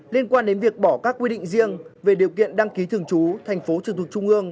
liên quan đến việc bỏ các quy định riêng về điều kiện đăng ký thường trú tp hcm